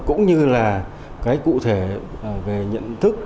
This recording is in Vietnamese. cũng như là cái cụ thể về nhận thức